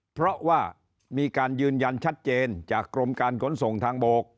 เพราะว่ามีการยืนยันชัดเจนจากกรมการขนส่งทางบก